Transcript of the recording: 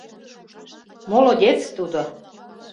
Молодец тудо!